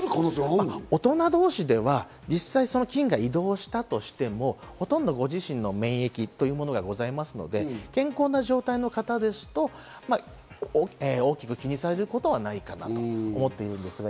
大人同士では実際、菌が移動したとしても、ほとんどご自身の免疫というものがございますので、健康な状態の方ですと大きく気にされることはないかなと思っているんですが。